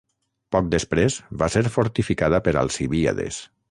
Poc després va ser fortificada per Alcibíades.